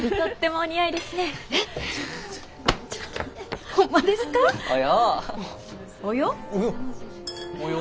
およ。